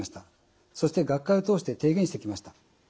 そして学会を通して提言してきました。